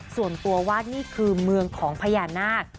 ส่วนตัวว่านี่คือเมืองของพญานาค